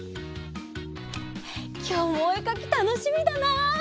きょうもおえかきたのしみだな！